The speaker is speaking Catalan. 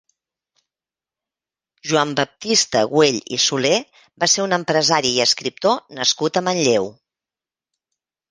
Joan Baptista Güell i Soler va ser un empresari i escriptor nascut a Manlleu.